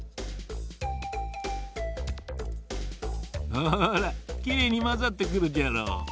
ほらきれいにまざってくるじゃろ。